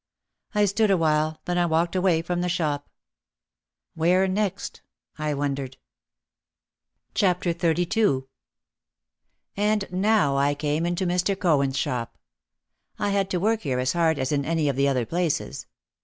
I stood a while, then I walked away from the shop. "Where next," I wondered. OUT OF THE SHADOW 133 XXXII And now I came into Mr. Cohen's shop. I had to work here as hard as in any of the other places.